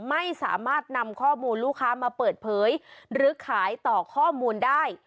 ไม่สามารถนำข้อมูลลูกค้ามาเปิดเผยหรือขายต่อข้อมูลได้